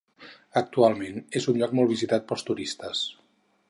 Actualment és un lloc molt visitat pels turistes.